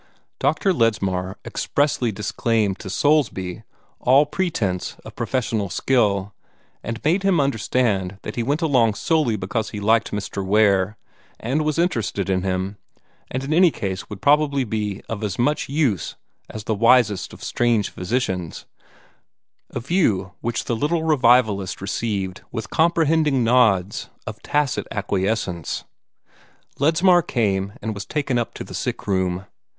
Dr. Ledsmar expressly disclaimed to Soulsby all pretence of professional skill, and made him understand that he went along solely because he liked Mr. Ware, and was interested in him, and in any case would probably be of as much use as the wisest of strange physicians a view which the little revivalist received with comprehending nods of tacit acquiescence. Ledsmar came, and was taken up to the sick room.